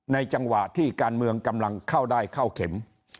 จังหวะที่การเมืองกำลังเข้าได้เข้าเข็ม